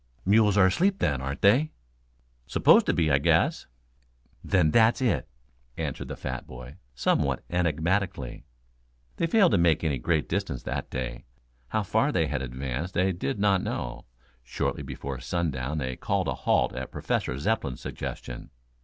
"Mules are asleep then, aren't they?" "Supposed to be, I guess." "Then that's it," answered the fat boy somewhat enigmatically. They failed to make any great distance that day. How far they had advanced they did not know. Shortly before sundown they called a halt at Professor Zepplin's suggestion.